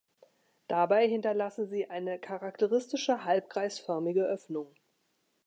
Dabei hinterlassen sie eine charakteristische halbkreisförmige Öffnung.